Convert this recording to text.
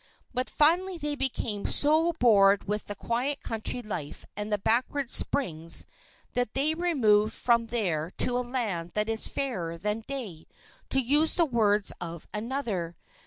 But finally they became so bored with the quiet country life and the backward springs that they removed from there to a land that is fairer than day, to use the words of another.